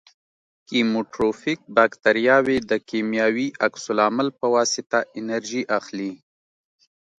کیموټروفیک باکتریاوې د کیمیاوي عکس العمل په واسطه انرژي اخلي.